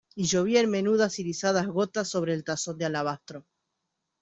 y llovía en menudas irisadas gotas sobre el tazón de alabastro.